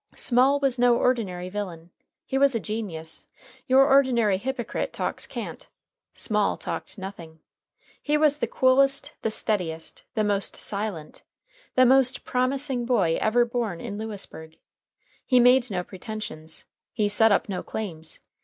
Small was no ordinary villain. He was a genius. Your ordinary hypocrite talks cant. Small talked nothing. He was the coolest, the steadiest, the most silent, the most promising boy ever born in Lewisburg. He made no pretensions. He set up no claims.